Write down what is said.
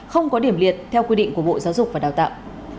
không có điểm liệt theo quy định của bộ giáo dục và đào tạo